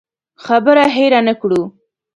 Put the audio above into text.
خبره هېره نه کړو.